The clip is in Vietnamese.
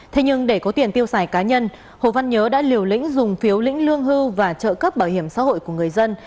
thế nhưng để có tiền tiêu xài cá nhân hồ văn nhớ đã liều lĩnh dùng phiếu lĩnh lương hưu và trợ cấp bảo hiểm xã hội của người dân